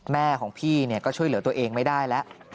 แม่ของพี่ก็ช่วยเหลือตัวเองไม่ได้แล้ว